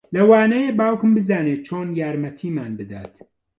لەوانەیە باوکم بزانێت چۆن یارمەتیمان بدات